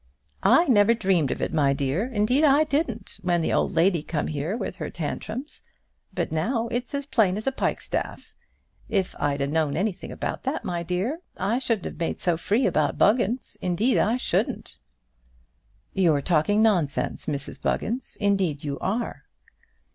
"I never dreamed of it, my dear; indeed, I didn't, when the old lady come here with her tantrums; but now, it's as plain as a pikestaff. If I'd a' known anything about that, my dear, I shouldn't have made so free about Buggins; indeed, I shouldn't." "You're talking nonsense, Mrs Buggins; indeed, you are."